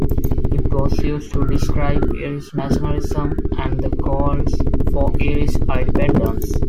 It was used to describe Irish nationalism and the calls for Irish independence.